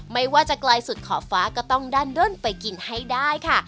ไม่ว่าจะไกลสุดขอบฟ้าก็ต้องด้านด้นไปกินให้ได้ค่ะ